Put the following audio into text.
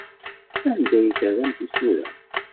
Sanda ay terram tisura?